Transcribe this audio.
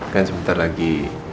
kan sebentar lagi